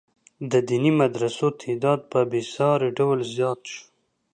د دیني مدرسو تعداد په بې ساري ډول زیات شو.